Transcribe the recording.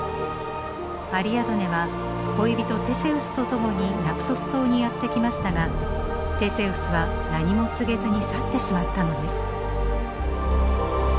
アリアドネは恋人テセウスと共にナクソス島にやって来ましたがテセウスは何も告げずに去ってしまったのです。